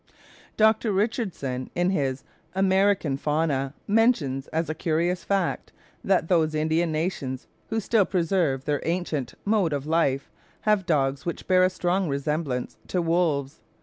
Dr. Richardson, in his "American Fauna," mentions as a curious fact, that those Indian nations who still preserve their ancient mode of life, have dogs which bear a strong resemblance to wolves.